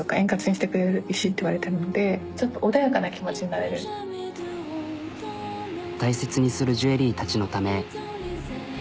あっ大切にするジュエリーたちのため。